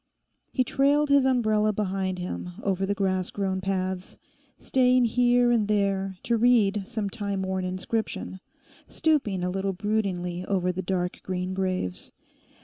He trailed his umbrella behind him over the grass grown paths; staying here and there to read some time worn inscription; stooping a little broodingly over the dark green graves.